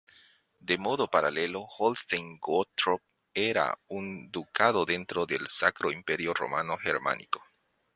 De modo paralelo, Holstein-Gottorp era un ducado dentro del Sacro Imperio Romano Germánico.